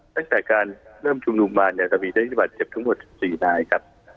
ตั้งแต่การเริ่มชุมนุมมาเนี่ยก็มีเจ้าหน้าที่บาดเจ็บทั้งหมด๑๔นายครับ